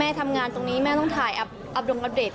ทำงานตรงนี้แม่ต้องถ่ายอัพดงอัปเดต